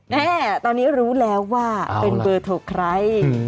แน่ตอนนี้รู้แล้วว่าเป็นเบอร์โทรใคร